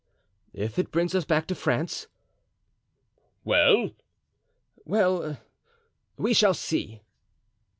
"If it brings us back to France——" "Well?" "Well, we shall see."